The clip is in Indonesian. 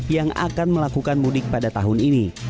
yang akan melakukan mudik pada tahun ini